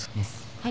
はい。